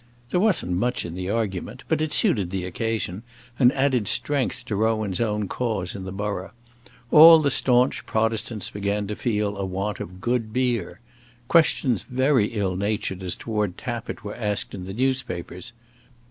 There wasn't much in the argument, but it suited the occasion, and added strength to Rowan's own cause in the borough. All the stanch Protestants began to feel a want of good beer. Questions very ill natured as toward Tappitt were asked in the newspapers.